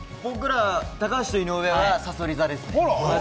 高橋と井上はさそり座です。